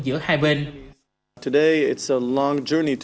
giữa hai bên